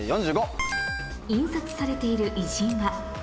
印刷されている偉人は？